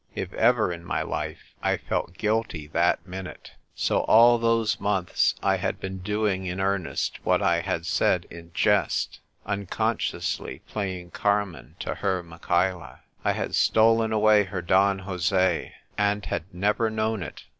If ever in my life, I felt guilty that minute. So all those months I had been doing in earnest what I had said in jest — unconsciously playing Carmen to her Michaela. 1 had stolen away her Don Jose — and had never known it